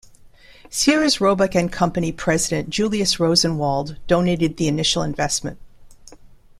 Sears, Roebuck and Company president Julius Rosenwald donated the initial investment.